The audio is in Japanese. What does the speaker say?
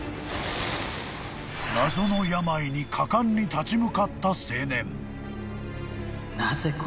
［謎の病に果敢に立ち向かった青年］